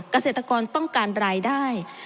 เกษตรกรต้องการรายได้